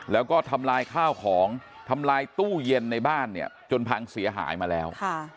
แล้วก็ทำลายข้าวของทำลายตู้เย็นในบ้านเนี่ยจนพังเสียหายมาแล้ว